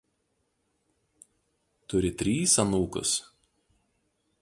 Turi trys anūkus.